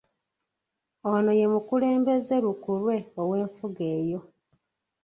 Ono ye mukulembeze lukulwe ow'enfuga eyo.